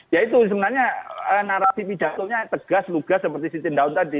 ya itu sebenarnya narasi pidatonya tegas lugas seperti sitindaun tadi